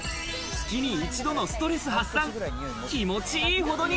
月に一度のストレス発散。